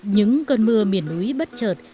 những cơn mưa miền núi bất chợt